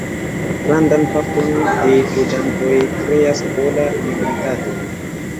Grandan parton de loĝantoj kreas pola minoritato.